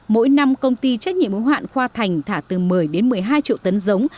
mỗi năm công ty trách nhiệm hạn khoa thành thả từ một mươi một mươi hai triệu tấn giống